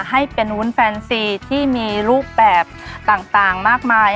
ให้เป็นวุ้นแฟนซีที่มีรูปแบบต่างมากมาย